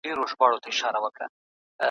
آیا د زړه درد د معدې تر درد خطرناک دی؟